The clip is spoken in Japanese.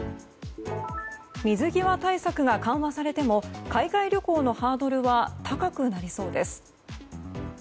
水際対策が緩和されても海外旅行のハードルは高くなりそうです。